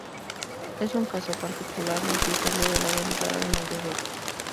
Es un caso particular del Criterio de la derivada de mayor orden.